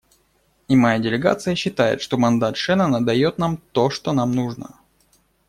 И моя делегация считает, что мандат Шеннона дает нам то, что нам нужно.